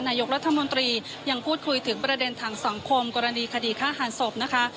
นายกรัฐมนตรียังพูดคุยถึงประเด็นทางสังคมกรณีคดีฆ่าหันศพนะคะ